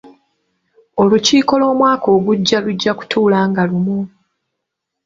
Olukiiko lw'Omwaka ogujja lujja kutuula nga lumu.